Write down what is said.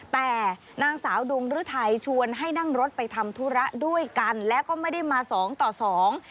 แต่นางสาวดวงฤทัยชวนให้นั่งรถไปทำธุระด้วยกันแล้วก็ไม่ได้มาสองต่อสอง